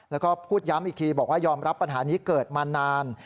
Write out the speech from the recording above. แล้วก็พูดย้ำอีกทีบอกว่ายอมรับปัญหานี้เกิดมานาน